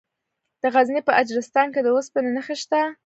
د غزني په اجرستان کې د اوسپنې نښې شته.